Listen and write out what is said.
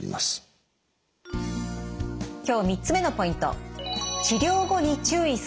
今日３つ目のポイント。